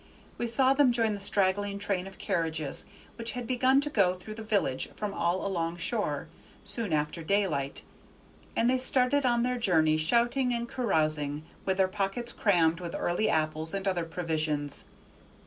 We saw them join the straggling train of carriages which had begun to go through the village from all along shore, soon after daylight, and they started on their journey shouting and carousing, with their pockets crammed with early apples and other provisions.